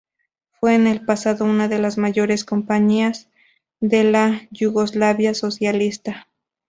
Fue en el pasado una de las mayores compañías de la Yugoslavia socialista.